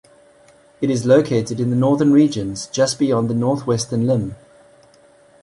It is located in the northern regions, just beyond the north-northwestern limb.